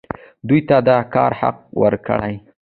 دوی ته د کار حق ورکړئ